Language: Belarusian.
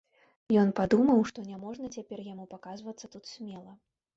Ён падумаў, што няможна цяпер яму паказвацца тут смела.